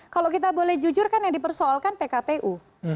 kalau kita boleh jujur kan yang dipersoalkan pkpu